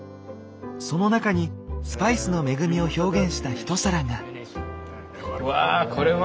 その中にスパイスの恵みを表現した一皿が？